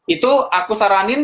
itu aku saranin